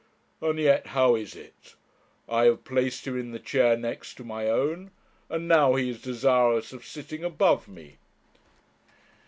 And yet how is it? I have placed him in the chair next to my own, and now he is desirous of sitting above me!'